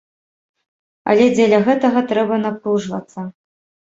Але дзеля гэтага трэба напружвацца.